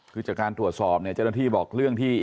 คือจากการตรวจสอบเนี่ยเจ้าหน้าที่บอกเรื่องที่